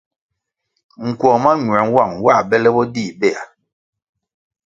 Nkwong mañuē nwang nwā bele bo dih béa.